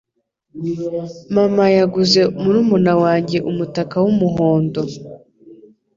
Mama yaguze murumuna wanjye umutaka wumuhondo.